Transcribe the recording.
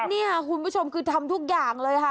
นี่ค่ะคุณผู้ชมคือทำทุกอย่างเลยค่ะ